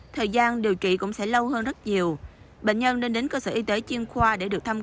thời gian điều trị cũng sẽ lâu hơn rất nhiều